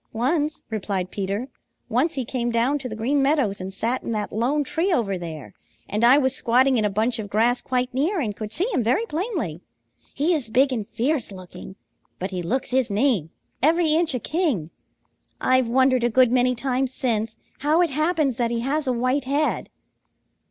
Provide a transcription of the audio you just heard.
"Once," replied Peter. "Once he came down to the Green Meadows and sat in that lone tree over there, and I was squatting in a bunch of grass quite near and could see him very plainly. He is big and fierce looking, but he looks his name, every inch a king. I've wondered a good many times since how it happens that he has a white head."